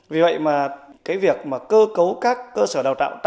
vì vậy mà cái việc mà cơ cấu các cơ sở đào tạo tại nhà